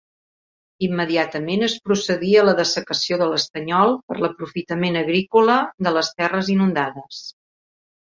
Immediatament es procedí a la dessecació de l'estanyol per l'aprofitament agrícola de les terres inundades.